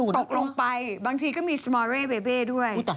ตกลงไปบางทีก็มีสมอเร่เบเบ่ด้วย